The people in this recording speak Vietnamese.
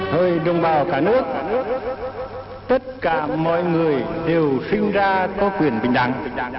rồi đồng bào cả nước tất cả mọi người đều sinh ra có quyền bình đẳng